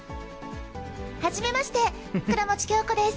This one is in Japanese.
はじめまして、倉持京子です。